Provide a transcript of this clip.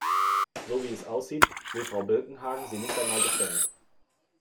So, wie es aussieht, will Frau Birkenhagen sie nicht einmal geschenkt.